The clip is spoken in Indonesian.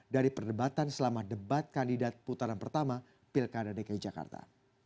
dari perdebatan selama debat kandidat putaran pertama pilkada dki jakarta